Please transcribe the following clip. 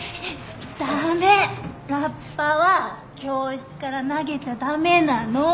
駄目ラッパは教室から投げちゃ駄目なの。